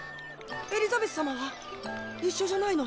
エリザベス様は？一緒じゃないの？